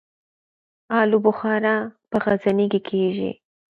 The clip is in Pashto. الو بخارا په غزني کې کیږي